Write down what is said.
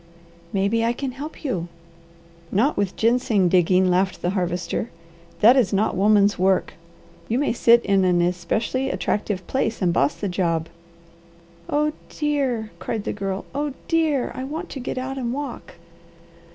"Maybe I can help you." "Not with ginseng digging," laughed the Harvester. "That is not woman's work. You may sit in an especially attractive place and boss the job." "Oh dear!" cried the Girl. "Oh dear! I want to get out and walk."